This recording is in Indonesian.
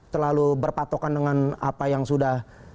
terlalu berpatokan dengan apa yang sudah